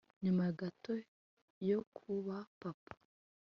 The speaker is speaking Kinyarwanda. nyuma gato yo kuba papa